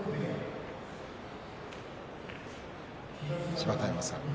芝田山さん